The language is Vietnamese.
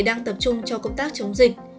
đang tập trung cho công tác chống dịch